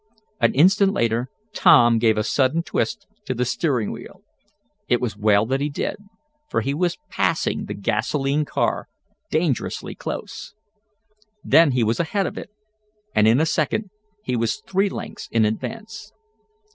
An instant later Tom gave a sudden twist to the steering wheel. It was well that he did, for he was passing the gasolene car dangerously close. Then he was ahead of it, and in a second he was three lengths in advance.